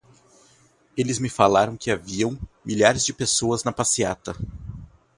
Eles me falaram que haviam milhares de pessoas na passeata.